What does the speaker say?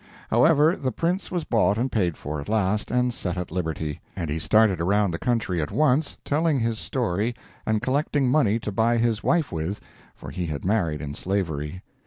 However, the Prince was bought and paid for, at last, and set at liberty, and he started around the country at once telling his story and collecting money to buy his wife with, for he had married in slavery.